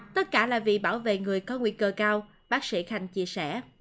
tất cả là vì bảo vệ người có nguy cơ cao bác sĩ khanh chia sẻ